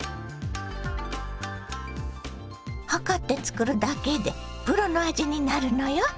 量って作るだけでプロの味になるのよ。